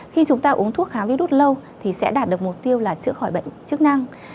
khi chúng ta uống thuốc kháng virus lâu thì sẽ đạt được mục tiêu là chữa khỏi bệnh chức năng